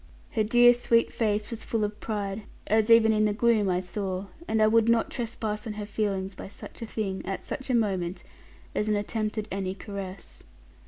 Her dear sweet face was full of pride, as even in the gloom I saw: and I would not trespass on her feelings by such a thing, at such a moment, as an attempt at any caress.